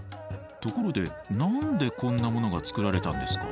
ところで何でこんなものが作られたんですか？